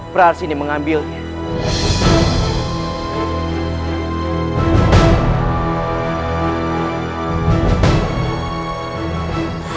prahas ini mengambilnya